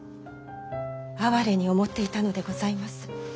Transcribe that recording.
哀れに思っていたのでございます。